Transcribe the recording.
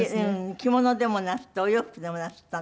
着物でもなすってお洋服でもなすったの？